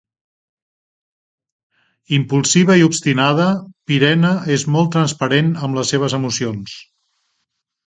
Impulsiva i obstinada, Pirena és molt transparent amb les seves emocions.